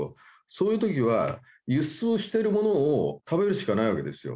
そういうときは、輸出をしてるものを食べるしかないわけですよ。